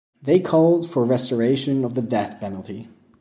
They called for restoration of the death penalty.